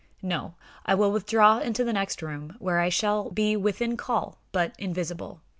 No; I will withdraw into the next room, where I shall be within call, but invisible.